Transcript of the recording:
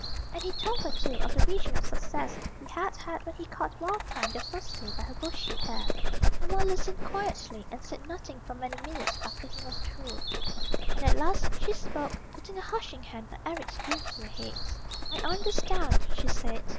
And he told her, too, of the vision of success he had had when he caught Wild Thyme that first day by her bushy hair. Helma listened quietly, and said nothing for many minutes after he was through. But at last she spoke, putting a hushing hand on Eric's dreamful head. "I understand," she said.